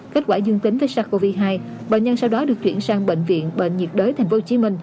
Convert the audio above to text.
kết quả dương tính với sars cov hai bệnh nhân sau đó được chuyển sang bệnh viện bệnh nhiệt đới tp hcm